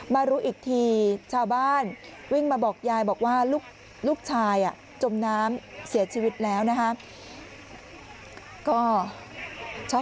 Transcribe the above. มารู้อีกทีชาวบ้านวิ่งมาบอกยายบอกว่าลูกชายจมน้ำเสียชีวิตแล้วนะครับ